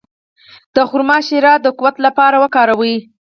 د خرما شیره د قوت لپاره وکاروئ